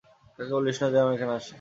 কাউকে বলিস না যে আমি এখানে আছি।